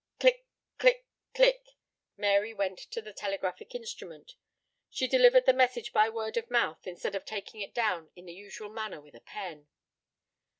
Click, click, click. Mary went to the telegraphic instrument. She delivered the message by word of mouth, instead of taking it down in the usual manner with a pen.